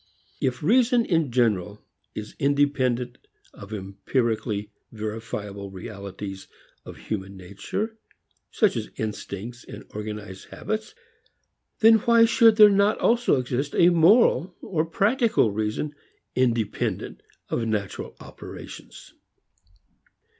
If reason in general is independent of empirically verifiable realities of human nature, such as instincts and organized habits, why should there not also exist a moral or practical reason independent of natural operations?